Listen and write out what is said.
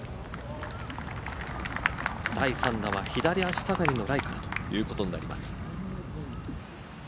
第３打は左足下がりのライということになります。